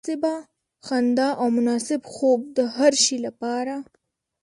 مناسبه خندا او مناسب خوب د هر شي لپاره.